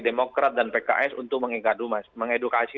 demokrat dan pks untuk mengedukasi